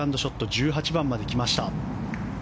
１８番まで来ました。